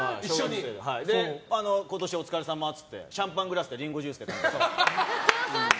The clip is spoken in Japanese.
今年お疲れさまっていってシャンパングラスでリンゴジュースで乾杯してました。